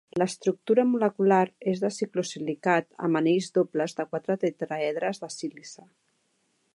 L'estructura molecular és de ciclosilicat amb anells dobles de quatre tetraedres de sílice.